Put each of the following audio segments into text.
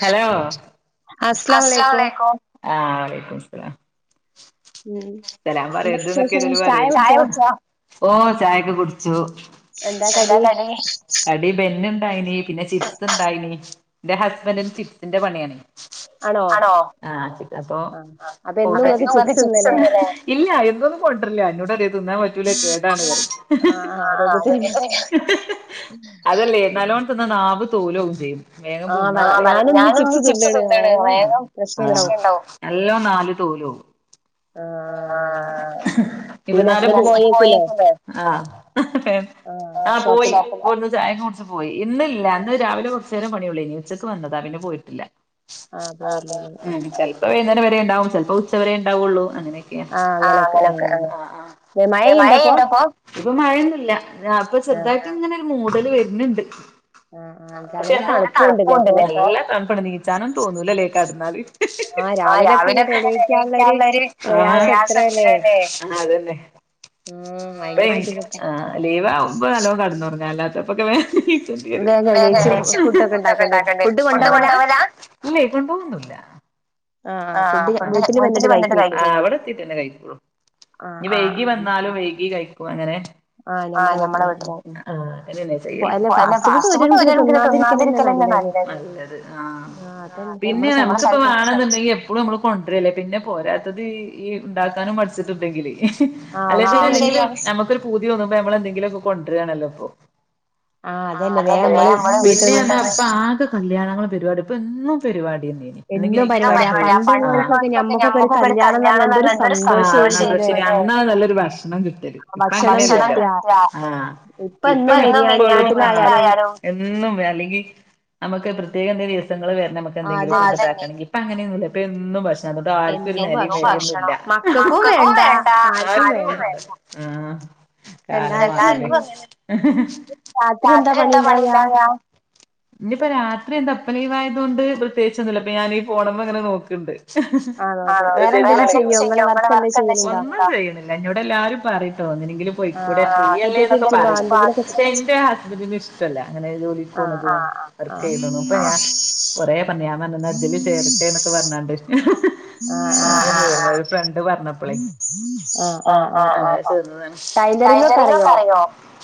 Hello അസ്സലാമു അലൈകും ആഹ് വലൈകും സലാം. ചെലാൻ പറയത് എന്നൊക്കൊലും പറല്ല ചായ കുടിചോ ഓ ചായൊക്കെ കുടിച്ചു. എന്താ കടി? കടി ബെന്നുണ്ടായിന് പിന്നെ ചിപ്സ് ഉണ്ടായിനി എന്റെ ഹസ്ബന്റിന് ചിപ്സിന്റെ പണിയാണ്. ആണോ ആഹ് അപ്പൊ എന്നും ചിപ്പിസ് ഇണ്ട് ലേ ഇല്ല എന്നൊന്നും കൊണ്ടിരില്ല എന്നോട അറിയ തിന്നാൻ പറ്റൂല കേടാണ് പറയും- ആത അതല്ലേ നല്ലവണത്തിന്ന് നാവ് തോലവും ചെയ്യും. ഞാനൊന്ന് ചിപ്സ് തിന്നാണ് വേഗം അഹ് ണ്ടാവും എല്ലാം നാവ് തോൽ പോവും. ആഹ്.. ഇതുന്നാല് ആ ഹസ്ബൻഡ് പോയിയേക്കും ലേ ആഹ് പോയി. പ്പന്ന് ചായൊക്കെ കുടിച്ച് പോയി ഇന്ന ഇല്ല അന്ന് രാവിലെ കുറച്ച നേരം പണിയുള്ളൂ ഇനി ഉച്ചയ്ക്ക് വന്നതാ പിന്നെ പോയിട്ടില്ല. ആഹ് ചെലപ്പോ വേഴുനേരം വരെ ഉണ്ടാവും ചപ്പോ ഉച്ചവരെ ഉണ്ടാവുള്ളൂ അങ്ങനെ ആഹ് അങ്ങനൊക്കെ ആഹ് അഹ് മഴയുണ്ടോപ്പോ? ഇപ്പൊ മഴയൊന്നുഇല്ല അപ്പൊ ചെറുതായിട്ട് ഇങ്ങനെ ഒരു മൂടല് വരുന്നുണ്ട്. പക്ഷെ എന്നും തണുപ്പണ്ട തണുപ്പുണ്ട് നീച്ചാനും തോന്നൂലല്ലേ കടന്നാല് ആഹ് രാവിലെക്കെന്ന എണീ ക്കാനുള്ളരു ആ പ്രയാസം എത്രെ ല്ലേ അതെന്ന ആ ലീവ് ആവുമ്പോ നല്ലോംകടന്നു ഉറങ്ങാ അല്ലാത്തപ്പൊക്കെ വേം നേരത്തെ എണീറ്റ് ഫുഡ് ഉണ്ടാക്കണ്ടേ ഫുഡ് കൊണ്ട് കൊണ്ടപോവലാ ഇല്ല കൊണ്ടു പോവാന്നുല്ല ആ ആ വീട്ടില് വന്നിട്ട് കഴിക്കലാ ആഹ് ഇവിടെ എത്തിട്ട് കഴിക്കും ഇ ഞ്ഞ് വൈകി വന്നാലും വൈകി കഴിക്കും അങ്ങനെ ആഹ് നമ്മളെ വീട്ടിൽ അല്ല ഫാസ്റ്റ് ഫുഡ് ഒര് കണക്കിന് തിന്നന്തിരിക്കൽ തന്നെ നല്ലത് ന ല്ലത് ആ പിന്നെ നമക്കിപ്പ വേണെന്നുണ്ടെങ്കി എപ്പൊ എപ്പളും നമ്മൾ കൊണ്ടുവരല്ലേ പിന്നെ പോരാത്തത് ഈ ഉണ്ടാക്കാനും മടിച്ചിട്ടുണ്ടെങ്കില് അല്ലെന്തില നമുക്കൊരു പൂതി തോന്നുമ്പ നമ്മള എന്തെങ്കിലും ഒക്കെ കൊണ്ടുവരയാണല്ലോ ഇപ്പൊ ആ അതന്നെ വേം നമ്മൾ സ്കൂൾ വിട്ട് വന്ന് പിന്നെ പറഞ്ഞാല് ഇപ്പ ആ കല്യാണങ്ങളൾ പരിപാടി ഇപ്പൊ എന്നും പരിപാടിയന്നേ അല്ലെങ്കിൽ നിക്കാഹ് പണ്ട്ള്ളോർക്ക് നമ്മക്കൊക്കെ കല്യാണം പറഞ്ഞ എന്തരുസന്തോഷം എനു അന്ന നല്ലൊരു ഭക്ഷണം കിട്ടൽ ഭക്ഷണം കിട്ട ഇപ്പം എന്നും ബിരിയാണി വീട്ടിൽ ആയാലും എന്നും അല്ലെങ്കിൽ നമുക്ക് പ്രത്യേകം എന്ത ദിവസങ്ങൾ വരണം നമ്മക്ക് ഇപ്പങ്ങനെ ഒന്നുല്ല ഇപ്പ എന്നും ഭക്ഷണം എന്നിട്ട ആർക്കും നിലയും വിലയും ഇല്ല മക്കൾക്ക് വേണ്ട ആർക്കും വേണ്ട ആഹ് എല്ലാർക്കും അങ്ങനെന്നെ രാത്രി എന്താ പണിണ്ടാവ ഇനിയിപ്പ രാത്രി എന്ത ഇപ്പ ലീവ് ആയതുകൊണ്ട് പ്രത്യേകിച്ചൊന്നുല്ല ഇ പ്പൊ ഞാൻ ഈ ഫോൺ മേൽ ഇ ങ്ങനെ നോക്കണ്ട് ഒന്നും ചെയ്യണില്ല എന്നോടെ എല്ലാരും പറീം ഒന്നിനെങ്കിലും പൊയിക്കൂടെ ഫ്രീ അല്ലേ എന്നൊക്കെ പറി എന്റെ ഹസ്ബന്റിന് ഇഷ്ടല്ല ഇങ്ങനെ ജോലി പോണത് വർക്ക് ചെയ്യുന്നതും ഇപ്പോ ഞാൻ കുറെ പറഞ്ഞു ഞാൻഎന്നാൽ ഇതിന് ചേരട്ടെ ന്ന് പറഞ്ഞാണ്ട് [unintelligible] അന്ന ഒരു ഫ്രണ്ട് പറഞ്ഞപ്പളെ അങ്ങനെ ചേർന്നത് ആണ് ടെയ്‌ലറിങ്ങ് ഒകെ അറിയോ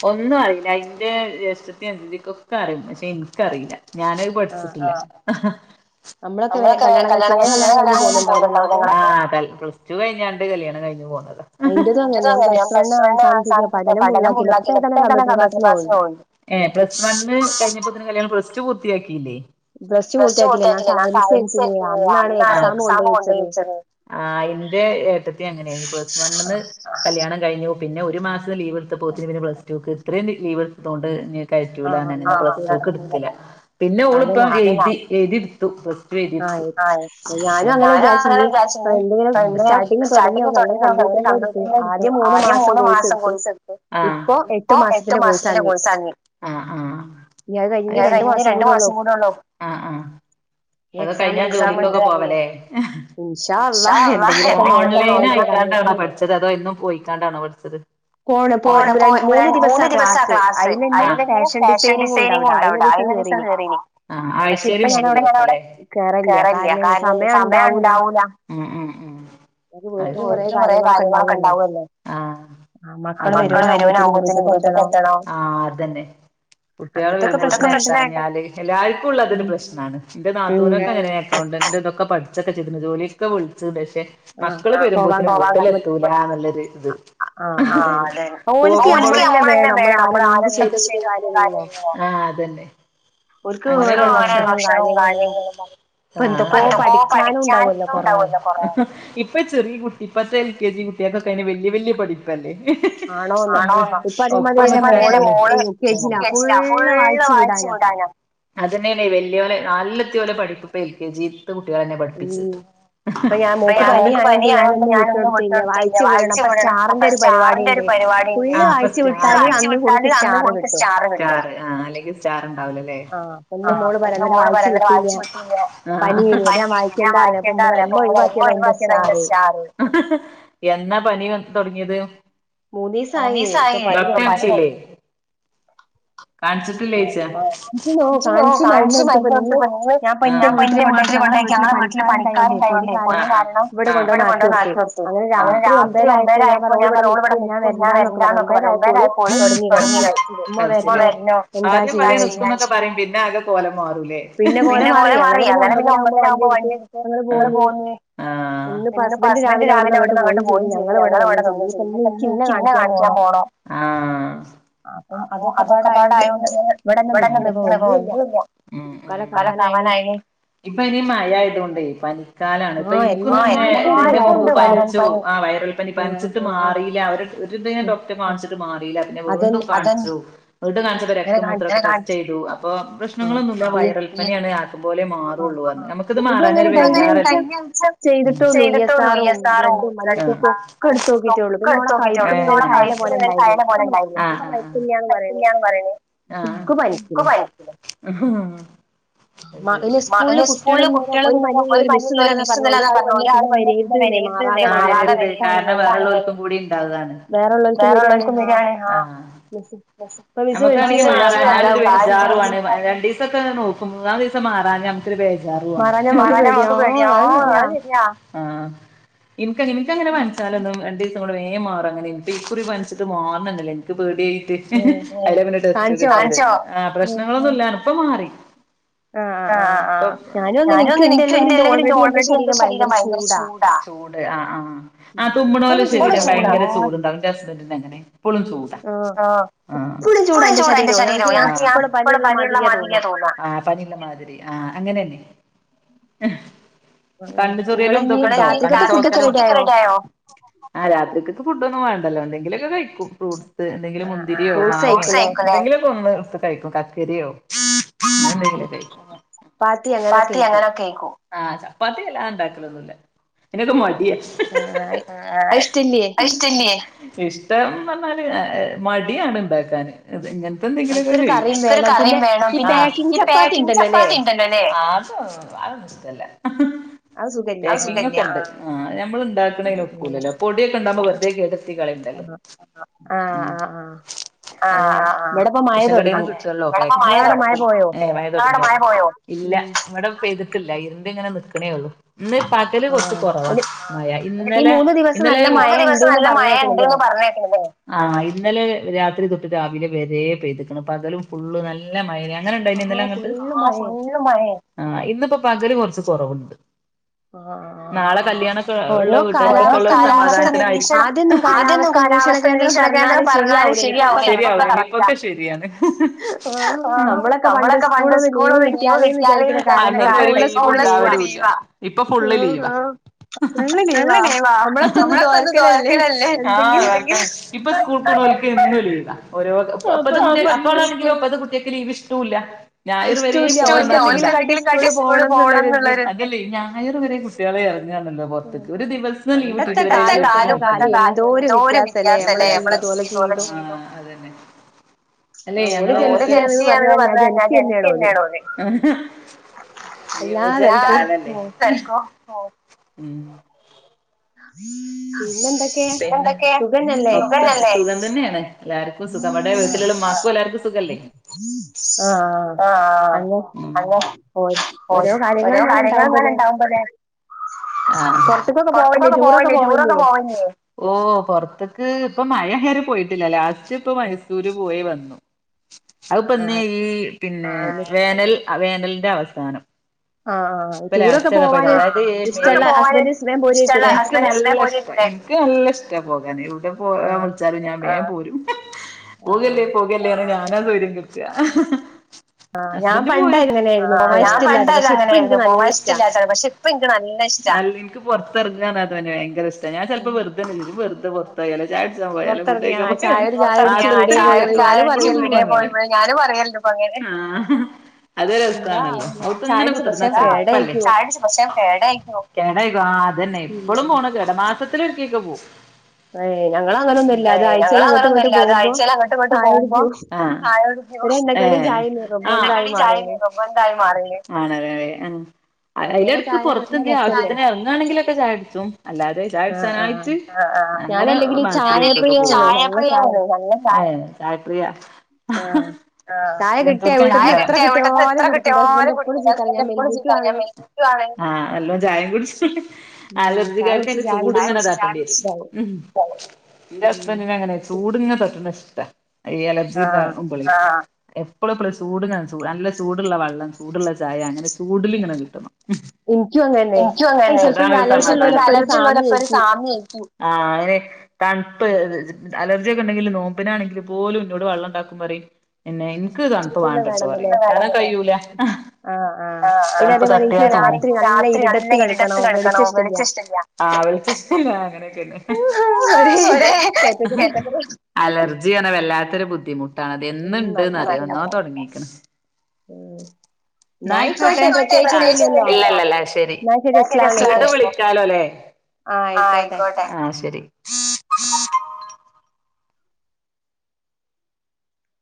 ഒന്നും അറിയില്ല എൻ്റെ ജേഷ്ഠത്തിക്കും അനിയത്തിക്കും ഒകെ അറിയും പക്ഷെ എനിക്കറിയില്ല ഞാൻ [unintelligible] നമ്മൾ ഒകെ എങ്ങനെ കൽ കല്യാണം കഴിച്ച് വേം കല്യാണം കഴിഞ്ഞാണ്ട് കല്യാണം കഴിഞ്ഞു പോന്ന് ണ്ടാവും ലേ നിങ്ങൾ ഒകെ ആ പ്ലസ്ടു കഴിഞ്ഞാണ്ട് കല്യാണം കഴിഞ്ഞ് പോന്നതാ ഇൻ്റെ തും അങ്ങനെ തന്നെ ഞാൻ പ്ലസ് വൺ ആ സമയത്ത് ഒകെ പഠനം ഫുള്ളാക്കില ഇപ്പ താ കമ്പ്യൂട്ടർ ക്ലാസ്സിന് പോകുന്നുണ്ട് ഏ പ്ലസ് വണ് കഴിഞ്ഞപ്പത്തിന് കല്യാണം പ്ലസ് ടു പൂർത്തിയാക്കിയില്ലേ പ്ലസ് ടൂ പൂർത്തിയാക്കില്ല ഞൻ സയൻസ് ആണ് എടുത്തിരുന്നത് അന്നാണ് എക്സാം കൊണ്ട് പോയി വെച്ചത് ആ എന്റെ ഏട്ടത്തി അങ്ങനെ നീ പ്ലസ് വൺ ന്ന് കല്യാണം കഴിഞ്ഞു പിന്നെ ഒരു മാസം ലീവ് എടുത്ത പോതിന് പിന്നെ പ്ലസ് ടുക്ക് ഇത്ര ലീവ് എടുത്തോണ്ട് ഇനി കയറ്റൂല പിന്നെ ഓൾ ഇപ്പം എഴുതി എഴുതി എടുത്തു എഴുതി എടുത്തു ഞാനും അങ്ങനെ വിചാരിച്ച ഇനി ഇപ്പ എന്തെങ്കിലും സ്റ്റാർട്ടിങ് തുടങ്ങിയ ന അങ്ങനെ കമ്പ്യൂറി ൻ്റെ എടു ആദ്യം മൂന്ന് മാസം കോഴ്സ് എടുത്ത് ഇപ്പൊ എട്ടു മാസത്തിന്റെ കോഴ്സ് ആഞ്ഞ് അത് കഴിഞ്ഞ് രണ്ടു മാസം കൂടെ ഉള്ളു നാളോ ആഹ് ആഹ് അത് കഴിഞ്ഞ ജോലി ക്ക് പോവല്ലേ ഇന്ഷാ അല്ലാഹ് ഓൺലൈന് ആയി ട്ടാനോ പഠിച്ചത് അ അതോ എന്നും പോയിക്കാണ്ടാണോ പഠിച്ചത് പോണ പോ ര മൂന്ന് ദിവസാ ക്ലാസ് അയിൽ തന്നെ ഫാഷൻ ഡിസൈനിങ്ങും ഉണ്ട അവിടെ അയ്ന് ആ ആഴ്ചയിൽ പോണേക്കും ലേ കേറല്ല കാരണം സമയം ഉണ്ടാവൂല [unintelligible] കുറെ കാര്യങ്ങളൊക്കെ ഉണ്ടാവല്ലേ അതൊക്കെ വരുവാൻ ആകുമ്പൊത്തേക്ക് ഇങ്ങ്ട്എത്തണം ആഹ് അത്നെ കുട്ടികൾ വരുമ്പോൾ കഴിഞ്ഞാല് എല്ലാവാർക്കുംഉള്ളതൊരു പ്രശ്നമാണ് എന്റെ നാത്തൂവിനൊക്കെ അങ്ങനെ അക്കൗണ്ടൻ്റ് ഇതൊക്കെ പഠിച്ചൊക്കെ ചെയ്തിരുന്നു ജോലിയൊക്കെ വിളിച്ചു പക്ഷെ മക്കള് വരുമ്പോത്തേന് വീട്ടിലെത്തൂലാന്നൊരിത് ആ അതെ ഓരിക്ക് നമ്മൾ തന്നെ വേണം നമ്മള് ആരെക്കെ ഉണ്ടെന്നു പറഞ്ഞിട്ടും കാര്യമില്ല ആഹ് അതന്നെ ഉ ഭക്ഷണവും കാര്യങ്ങളും എന്തൊക്കോ പഠിക്കൻ ഉണ്ടാവല്ലോ ഇപ്പൊ ചെറിയ കുട്ടി ഇപ്പത്തെ എൽ കെ ജി കുട്ടിക്കൊക്കെ വല്യ വല്യ പഠിപ്പല്ലേ ആണോന്നോ അനിയൻ്റെ മോള് മുക്ക അടിച്ചില്ല ഫുള്ള് വായിച്ച് വിടാനാ അതന്നെയല്ലേ വല്യ പോലെ നാലല്ലത്തെലെ പഠിപ്പിപ്പക്ക എൽകെജി കുട്ടികളന്നെ പഠിപ്പിച്ച് അവരിക്ക്പനി ആയൊണ്ട് ഞാന് ഒന്നും വിട്ടോടുത്തില്ല വായിച്ചു വിടണം അപ്പൊ സ്റ്റാറിന്റെ ഒരു പരിപാടി വായിച്ച് വിട്ടാല് അന്നവർക്ക് സ്റ്റാർ പരിപാടിയാ- ആഹ് അല്ലെങ്കിൽ സ്റ്റാർ ഉണ്ടാവൂല അല്ലേ ആഹ് എൻ്റെ മോള് പറയുന്നേ വായിച്ച് വിട്ടില്ലേ മഞ്ഞാം വായിക്കേണ്ടാപ്പൊ ഉമ്മ ഉമ്മ ഇതെൻ്റെ സ്റ്റാറ്എന്നാ പനി ഇവക്ക് തുടങ്ങിയത് മൂന്നീസായേ ഡോക്ടറെ കാണിച്ചില്ലേ കാണിച്ചിട്ടില്ലേ ചേച്ചി കാണിച്ചു പോയി മരുന്നു കൊടുത്തുഞാൻപ്പ എന്റെ വീട്ടില് കൊണ്ട ഞെ വീട്ടില് പനിക്കാരണ്ടായോണ്ടേ പനിക്കാർ ഇവിടെ കൊണ്ടുവന്ന് ആശ്വാസായി അങ്ങനെ രാത്രി ഒമ്പര ആയപ്പോ ഞാൻ പറഞ്ഞ് ഓള് അവിടെ നിക്കും ഞാൻ വരണ്ടാന്നൊക്കെ പറയാ ഒമ്പതര ആയപ്പോൾ തുടങ്ങി കരച്ചിൽ ഉമ്മ വരണം ആദ്യം പറയും നിൽക്കുമ്പോ എന്തോ- പിന്നെ അകെ കോലം മാറൂല്ലേ പിന്നെ കോലം മാറി അങ്ങനെ പിന്നെ ഒമ്പതര ആകുമ്പോ വണ്ടി എടുത്ത് ഇങ്ങട് പോന്നേ ഇന്ന് ഹസ്ബന്റ് രാവിലെ ഇവിടെന്ന് അങ്ങോട്ട് പോയി ചെയ്തു ഞങ്ങളിവിടെ നിന്ന് ചെയ്തു ഇന്ന് എനിക്ക് സ്കിന്ന്കാണിക്കാൻ പോണം അപ്പൊ അതൊക്കെ പാടായോണ്ടിങ്ങനെ ഇവിടങ്ങ് നിക്കാന്ന് [unintelligible] [unintelligible] ഇപ്പൊ ഇനി മഴ ആയതൊണ്ടേ പനിക്കാലാണ് ഇപ്പൊ എനിക്ക് പനിയായ് [unintelligible] ആ വൈറൽ പനി പനിച്ചിട്ട് മാറില ഒര്ത്ഞാൻ ഡോക്ടകാണിച്ചിട്ട് മാറില പിന്നെ വീണ്ടും കനിച്ചു വീണ്ടുകാണിചപ്പോ രക്തമൂത്രക്കെ ടെസ്റ്റ്‌യ്തു പ്പൊ പ്രശ്നങ്ങളൊന്നുല്ല വൈറൽപ്പനിയാണ് ആക്കംപോലെ മാറള്ളൂഞ് ഞമ്മക്ക്‌ത് മാറാഞ്ഞൊരു ബജറല്ലേ ചെയ്തിട്ടള്ളൂ ഇ എസ് റോ ബ്ലഡും [inaudible] എടുത്തു നോക്കിയിട്ടേ ഉള്ളൂ [inaudible] [unintelligible] ചയന പോലെണ്ടായിരുന്നു [unintelligible] പറ്റില്ലാന്ന് പറയണു [unintelligible] മ്ഹ് അത് സരി മ ഹ് സ്കൂളില് കുട്ടികള്ങ്ങനെ ഓല് പനിയുള്ളോര് മിസ്ഇന്നലെഅതാപറഞ്ഞ ഒരാൾവന്നാ. വരര്ത് ന്നമാറാത വീട്ടതാവേറാള്ളോൽക്കുംകൂടിണ്ടാവാണവേറെള്ളോൽക്കുംവരാണ് ആ. ന സ ഞമ്മകാണി മറഞ്ഞലൊരു വിചാറുആണ് രണ്ടീ സൊക്കെ നോക്കുംമൂന്നാമത്തീ ദ് മാറഞ്ഞമ്മക്കൊരു ബേജാറുണ്മാറഞ്ഞമ്മക്ക് പേടിയാ ആ അഹ്സരിയാ. എനിക്കങ്ങി ഇൻക്കങ്ങനെപന്ചാലൊന്നും രണ്ടീസംണ്ട് വെൻമാറങ്ങനെ ഇക്കുറി പന്ചിട്ട് മാർണനല്ല്യ ഇക്ക് പേട്യയിട്ട്. ട്ട് ഹഹേ അയിലപിന്നെടെസ്റ്റ്ക്കെചെയ്തെ കാൺച്ചോ ആ പ്രശ്നങ്ങളൊന്നുല്ലാർഞ്ഞി ഇപ്പമാറി. ആഹ് ആഹ് ആഹ്ഞാനുങ്ങന ഇന്ക്ക്ണ്ട ല്ലെങ്കിൽ ഓൾറെഡി എന്റെ ശരീരം ഭയങ്കര ചൂ ട്ട ചൂട് ആഹ് ആഹ് ആമ് ആ തുമ്മ്ണോലെ ശരീരംഓൾചൂടാവോ ഭയങ്കരചൂട്ണ്ടാവു. ഇന്റസ്ബന്റിനങ്ങനെ എപ്പളും ചൂടാ ആഹ്, ആഹ് എപ്പളും ചൂടാ എന്റെ ശരീരം എന്നിട്ട് ഞാൻ പ്പളുംപനിള്ളമാതിര്യാ തോന്നാ ആഹ് പനിള്ളമാതിരി ആഹ് അങ്ങനെന്നെ ഹ് കണ്ണ് ചൊറിയലും ഇതൊക്കണ്ടോ കണ്ണ് ചോക്കലും, അവടെഞ്ഞ് രാത്രിക്കത്തെ ഫുഡോക്കെ റെഡ്യായോ ആഹ് രാത്രിക്കക്ക് ഫുഡ് ഒന്നും വാണ്ടല്ലോ എന്തങ്കിലൊക്കെ കഴിക്കും ഫ്രൂട് സ് അല്ലെങ്കില് മുന്തിരിയോ മാങ്ങേ ആഹ് ആഹ് ഫ്രൂട്ട്സായിരിക്കും ലേ എന്തെങ്കിലൊക്കെ ഒന്ന് ഇട്ത്ത് കഴിക്കും ക മുന്തിരിയോ [inaudible] അങ്ങനെന്തങ്കിലൊക്ക കഴിക്കും, പ്പാത്തി അങ്ങനൊക്കെക്കും ആഹ് ചപ്പാത്തിവല്ലാ ഇണ്ടാക്കലൊന്നുല പിന്നെന്താ മട് [inaudible] ആയ്ഷ് റ്റല്ലേ ഇഷ്ടമ്ന്ന്പറഞ്ഞാല് ഏഹ് മടിയാണ് ഇണ്ടാക്കാൻ അത് ഇങ്ങൻ എന്തക്കിലൊക്കെ ചെയ്യ് ക്കൊര് കറിം വേണം പിന്നെ ഈ പാക്കിങ്ങ് ചപ്പാത്തിണ്ടല്ലോല്ലെ, അത് അത്ന്ക്ക്ഷ്ട്ടല്ല [inaudible] ടേസ്റ്റിങ്ങക്കെ ഇണ്ട് ആഹ് ഞമ്മള്ണ്ടാക്ക്‌ണേന് ഒക്കുലല്ലോ പൊടിയൊക്കെണ്ടാവുമ്പോ വെറുതെ കേട് രുത്തി കളയണ്ടല്ലോ, ഹ്മ്മ് ആഹ് ആഹ് ആഹ് [unintelligible] [unintelligible] ഇവടപ്പ മഴ തൊടങ്ങി ഏഹ് മഴ തൊടങ്യോ ഇങ്ങളവടെ മഴ പോയോ? ഇല്ല ഇവടെ പെയ്ത് ട്ട്ല്ല ഇര്ണ്ട്ങ്ങനെ നിക്ക്ണേ ഒള്ളൂ ഇന്ന് പകല് കൊറച്ച് കൊറവാ മഴ ഇന്നല ഇന്നലെ, ഈ മൂന്ന് ദിവസം നല്ല മഴണ്ട്ന്ന് പറഞ്ഞെട്ട്ണ്ലേ ആഹ് ഇന്നലെ രാത്രി തൊട്ട് രാവിലെ വരെ പെയ്ത്ക്ക്ണ് ‌ പകലും ഫുള്ള് നല്ല മഴെനി അങ്ങനണ്ടായിനോ ഇന്നലങ്ങട്ട് ഇന്ന് മഴേ ആഹ് ഇന്ന്പ്പം പകല് കൊറച്ച് കൊറവ്ണ്ട് നാളെകല്യാണക്കള്ള വീട്ടാർക്കക്കൊളരു [unintelligible] ഓരോ കാലാവസ്ഥ നിരീഷണം ആദ്യൊന്നും കാലാവസ് ത്ത നിരീക്ഷണ കേന്ദ്രം പറഞ്ഞാല് ശരിയാവുലെനി ശരിയാവൂലെനി ഇപ്പൊക്കെ കറക്റ്റാ ഇപ്പൊക്കെ ശരിയാണ് ആഹ് നമ്മളൊക്കെ പണ്ട് സ്കൂളൊന്ന് ലീവ് കിട്ടിയാല്ന്ന് വിചാരിച്ച കാലണ്ടായിനി അതന്നെ ഒര് ലീവ് ഇണ്ടാവൊള്ളൂ ഇപ്പ ഫുള്ള് സ്കൂള് ലീ ആഹ് ഇപ്പ ഫുള്ള് ലീവാ [inaudible] എന്നും ലീവാ ന്നമ്മളൊക്കൊന്നും ദുആര്ക്കലല്ലെ ആഹ് ദുആര്ക്കലാ [unintelligible] ഇപ്പ സ്കൂൾ നിക്ക്‌നോ‌ൽക്ക് എന്നും ലീവാ ഓരോ ഇപ്പതാ നോക്ക് [unintelligible] ഇപ്പത്തെ കുട്ട്യേൾക്ക്‌ ലീവ് ഇഷ്ട്ടൂല്ല, ഞായറ് വരെ പോണന്നാ ചിന്ത ഇഷ്ട്ടൂല്യ ഓൽക്ക് എന്തെങ്കിലും കട്ടി സ്കൂള്ല് പോണംന്ന്ള്ളൊര് അല്ലേ ഞായറ് വരെ കുട്ട്യേള് എറങ്ങാണല്ലോ പോറത്ത്ക്ക്‌ ഒര് ദിവസം ലീവ് കിട്ടിട്ട് വരെ പണ്ടത്തകാലും ഇപ്പത്തകാലും എന്തോര് വ്യത്യാസലെ നമ്മളെ ജീ ഓലെ ജീവിതും, ആഹ് അതന്നെ എന്തെയ്യാ ഇങ്ങള് ഓല് ജെൻസിയാണ്ന്ന് പറഞ്ഞാ ഞാൻ ജെൻസിയെന്നാണ് ഓല് യുവജന കാലല്ലേ ആഹ് [unintelligible] [inaudible] പിന്നെന്തൊക്കെ സുഖനല്ലേ ല്ലേയ്ഖം തന്നെണ് എല്ലാർക്കും സുഖാ ഇവടെവീട്ടില്ള്ള ഇമ്മാക്കും എല്ലാർക്കും സുഖല്ലേ ആഹ് ആഹ് ആഹ് ഹലോ പോയി, ഓരോ കാര്യങ്ങള് ഇങ്ങനെ ഇണ്ടാവുമ്പല്ലേ ആഹ് പോർത്ത്ക്കൊക്കെ പോവേണ്ട് ടൂറൊക്കെ പോ വല്ലേ ഓഹ് പൊർത്ത്ക്ക് ഇപ്പ മഴ ആയരെ പോയിട്ടില്ല ലാസ് റ്റ്പ്പ ഇപ്പ മൈസൂര് പോയി വന്നു. അത്പ്പ ഇന്ന് ഈ പിന്നെ വേനൽ ആഹ് വേനൽന്റെ അവസാനം ഇപ്പ ലാസ്‌റ്റതാ അതായിത് യെ യെ ടൂറൊക്കെ പോവാന് ഇഷ്ട്ടള്ള [unintelligible] ഇന്ക്ക് നല്ല ഇഷ്ട്ടാ ഇന്ക്ക് നല്ല ഇഷ്ട്ടാ പോകാന് എവിടിം പോവാൻ വിളിച്ചാ ച്ചാല് ഞാൻ വേം പോരും ആഹ്. പോകല്ലേ പോകല്ലേ ആഹ് പറഞ്ഞ് ഞാനാ സ്വയിര്യം കെട്ത്താ ഹസ്ബന്റ് പോരും, ആഹ് ഞാൻ പണ്ടക്കങ്ങനെ ആയിരുന്നു ട്ടല്ല, പക്ഷെ ഇപ്പൻക്ക് നല്ല ഇഷ്ട്ടാ അല്ല ഇൻക്ക് പൊറത്തെറങ്ങാന്നഞ്ഞെ പറഞ്ഞാ ഭയങ്കര ഇഷ്ടാ ഞാൻ ചെലപ്പം വെറ് [unintelligible] വെറുതെ പറി പ്പോയാലും ചായ കുടിച്ചാൻ പോയാലും ഫുഡ്‌ കഴിക്കാൻ പോയാലും ഞാനും പറയലുണ്ടിപ്പോ അങ്ങനെ ആഹ് അതൊരു ഇഷ്ടമാണല്ലോ അവൾക്കിങ്ങനെ [unintelligible] ചായ കുടിച്ചു പക്ഷെ കേടായിരിക്കുവോ കേടായിരിക്കും ആഹ് അതന്നെ എപ്പളും പോണ എട മാസത്തിലൊരിക്കെക്കെ പോം ഏ ഞങ്ങള് അങ്ങനൊന്നുമല്ല അത ആഴ്ചൽ അങ്ങോട്ടും ഇങ്ങോട്ട് പോകുമ്പോ ആഹ് ചായ കുടിക്കുവോ ഏഹ് ആഹ് വെന്തക്കടീം ചായേം വേണം വന്തായി മാറീലെ ആന്നല്ലേ മ് അതിലെടക്ക് പുറത്ത്ന്ത് ആവശ്യത്തിന് ഇറങ്ങുകയാണെങ്കിലൊക്കെ ചായുടിച്ചും അല്ലാതെ ചായുടിച്ചാനായിട്ട് ആഹ് ആഹ് അങ്ങനെ ഞാനല്ലെങ്കിലും ഈ ചായപ്രിയ മ് ചായപ്രിയ ആഹ് ആഹ് [unintelligible] എവിടുന്ന് എത്ര കിട്ടിയാലും കുടിക്കും ഹസ്ബൻഡ് എപ്പോഴും ചീത്ത പറയും ഞാൻ മെയി തൃപ്തിയാവാണോങ്കി ആഹ് എല്ലോം ചായേം കുടിച് അലർജിക്കാർക്ക് അതിന്റെ ചൂട്ങ്ങനെതാക്കേണ്ടിവരും എന്റെ ഹസ്ബൻഡിന് അങ്ങനെ ചൂട്ങ്ങ തട്ടണ ഇഷ്ട ഈ ഏലപ്സി എപ്പോഴും എപ്പോളും ചൂടങ്ങ നല്ല ചൂടുള്ള വെള്ളം ചൂടുള്ള ചായ അങ്ങനെ ചൂടുലിങ്ങനെ കിട്ടണം എനിക്കും അങ്ങന്നെ അതാണൊരു സമാധാനം ഈ അലർജി ഉള്ളോരൊക്കെ ഒരു സാമ്യം ആരിക്കും ആഹ് ങ്ങനെ തണുപ്പ് ജ് ജ് അലർജിയൊക്കെ ഉണ്ടെങ്കില് നോമ്പിനാണെങ്കിൽ പോലും ഇന്നോട് വെള്ളംണ്ടാക്കും പറയും പിന്നെ എനിക്ക് തണുപ്പ് വാണ്ട സോറി കാണാൻ കഴൂല ആഹ് ആഹ് തണുപ്പ് തട്ടിയ തുമ്മും ഒരു മണിക്ക് രാത്രി നല്ല ഇരിടത്ത് കിടക്കണം വെളിച്ചം ഇഷ്ടല്ല ആഹ് വെളിച്ചം ഇഷ്ടല്ല അങ്ങനെയൊക്കെന്നെ ആഹ് ഹാ ഓരേ കാറ്റഗറി അലർജിയാണ് വല്ലാത്തൊരു ബുദ്ധിമു ട്ടാണ് അതെന്നും ഉണ്ട് ന്ന് അതെന്നോ തുടങ്ങിയേക്കണ് ന്നായി ക്കോട്ടേ ആയിക്കോട്ടെ പ്രത്യേകിച്ച് ഒന്നുല്ലല്ലോ ഇല്ലല്ലല്ല ശെരി ഇങ്ങോട്ട് വിളിക്കാല്ലൊ ല്ലേ ആഹ് ആയിക്കോ ആയിക്കോട്ടെ ആഹ് ശരി